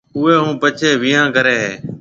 اُوئي هون پڇيَ ويهان ڪريَ هيَ۔